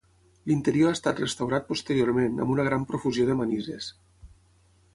L'interior ha estat restaurat posteriorment amb una gran profusió de manises.